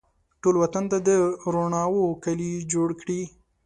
ټول وطن ته د روڼاوو کالي جوړکړي